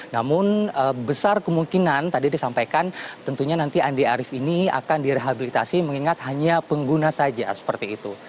namun besar kemungkinan tadi disampaikan tentunya nanti andi arief ini akan direhabilitasi mengingat hanya pengguna saja seperti itu